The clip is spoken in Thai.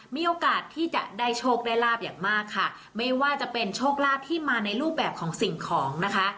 มีโอกาสที่จะได้โชคได้ลาบอย่างมากค่ะไม่ว่าจะเป็นโชคลาภที่มาในรูปแบบของสิ่งของนะคะ